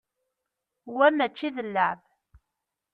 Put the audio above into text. Wa mačči d llεeb.